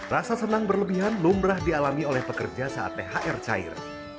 rasa senang berlebihan lumrah dialami oleh pekerja saat thr cair